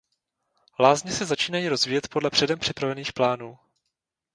Lázně se začínají rozvíjet podle předem připravených plánů.